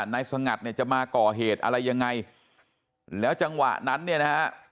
นายสงัดเนี่ยจะมาก่อเหตุอะไรยังไงแล้วจังหวะนั้นเนี่ยนะฮะ